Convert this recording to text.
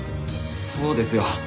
そうですよ。